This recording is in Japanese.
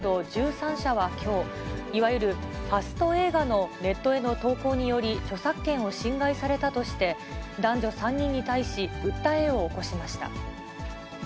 テレビ局や映画会社など１３社はきょう、いわゆるファスト映画のネットへの投稿により著作権を侵害されたとして、男女３人に対し訴えを起こしました。